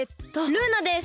ルーナです。